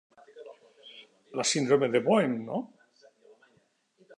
La síndrome de Boehm, no.